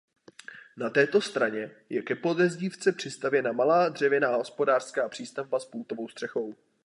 Na této straně je ke podezdívce přistavěna malá dřevěná hospodářská přístavba s pultovou střechou.